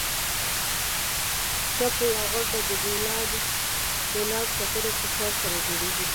تپو یا غونډیو د میلان خلاف د کنتور په شکل سره جوړیږي.